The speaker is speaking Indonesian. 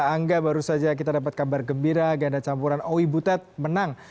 angga baru saja kita dapat kabar gembira ganda campuran oi butet menang